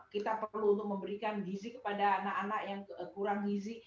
kita perlu untuk memberikan gizi kepada anak anak yang kurang gizi